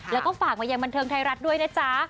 แล้วก็ฝากมายังบันเทิงไทยรัฐด้วยนะจ๊ะ